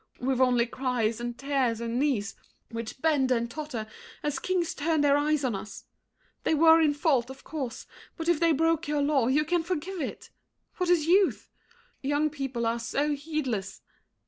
We've only cries and tears and knees, which bend And totter as kings turn their eyes on us. They were in fault, of course! But if they broke Your law, you can forgive it! What is youth? Young people are so heedless!